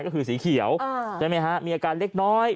ก็คือสีเขียวใช่ไหมฮะมีอาการเล็กน้อย